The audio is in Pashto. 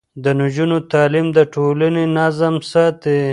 د نجونو تعليم د ټولنې نظم ساتي.